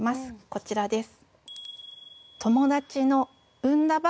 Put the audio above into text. こちらです。